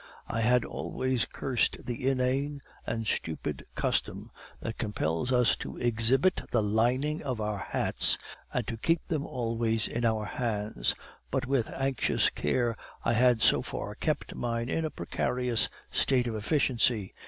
I had always cursed the inane and stupid custom that compels us to exhibit the lining of our hats, and to keep them always in our hands, but with anxious care I had so far kept mine in a precarious state of efficiency.